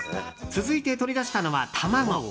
続いて取り出したのは卵。